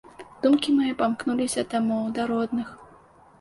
Думкі мае памкнуліся дамоў, да родных.